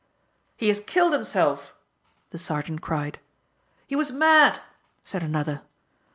"He has killed himself!" the sergeant cried. "He was mad!" said another.